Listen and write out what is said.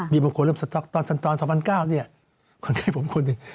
มีประโยชน์เริ่มสต๊อกตอน๒๐๐๙คนใกล้ผมคนหนึ่ง